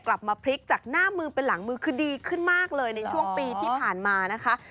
กลับมาพลิกจากหน้ามือเป็นหลังมือคือดีขึ้นมากเลยในช่วงปีที่ผ่านมานะคะ